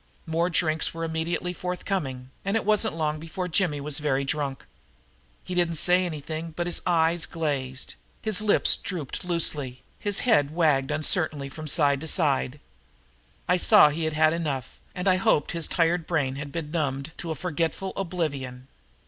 More drinks were immediately forthcoming, and it wasn't long before Jimmy became very drunk. He didn't say anything but his eyes glazed, his lips drooped loosely, his head wagged uncertainly from side to side. I saw he'd had enough and I hoped his tired brain had been numbed to a forgetful oblivion.